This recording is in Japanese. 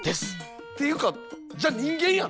ていうかじゃあ人間やん。